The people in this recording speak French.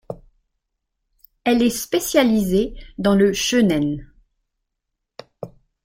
Elle est spécialisée dans le Shōnen.